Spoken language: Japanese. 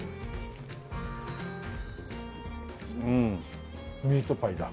うんミートパイだ。